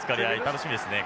楽しみですね